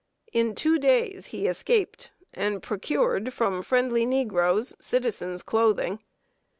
In two days he escaped, and procured, from friendly negroes, citizen's clothing.